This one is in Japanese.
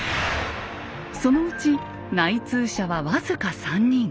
そのうち内通者は僅か３人。